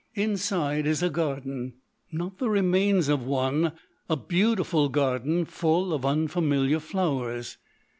"Inside is a garden—not the remains of one—a beautiful garden full of unfamiliar flowers.